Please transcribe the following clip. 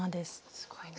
すごいな。